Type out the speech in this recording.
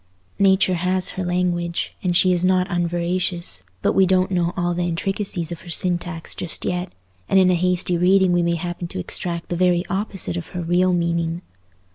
Nature has her language, and she is not unveracious; but we don't know all the intricacies of her syntax just yet, and in a hasty reading we may happen to extract the very opposite of her real meaning.